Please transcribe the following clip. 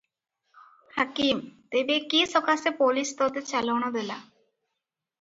ହାକିମ - ତେବେ କି ସକାଶେ ପୋଲିଶ ତତେ ଚାଲାଣ ଦେଲା?